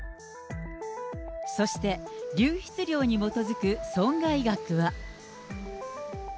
そして、流出量に基づく損害額は。